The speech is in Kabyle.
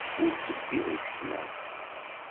Ur ttebbiɣ isekla.